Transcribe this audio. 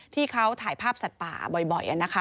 ที่เขาถ่ายภาพสัตว์ป่าบ่อย